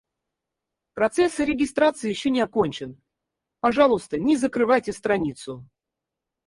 Процесс регистрации ещё не окончен. Пожалуйста, не закрывайте страницу.